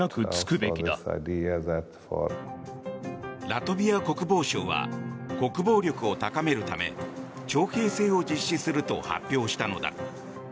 ラトビア国防省は国防力を高めるため徴兵制を実施すると発表したのだ。